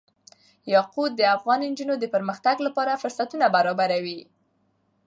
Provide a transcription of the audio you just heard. یاقوت د افغان نجونو د پرمختګ لپاره فرصتونه برابروي.